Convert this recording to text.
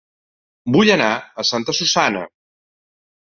Vull anar a Santa Susanna